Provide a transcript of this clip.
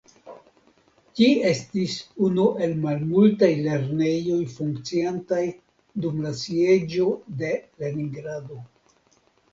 Ĝi estis unu el malmultaj lernejoj funkciantaj dum la Sieĝo de Leningrado.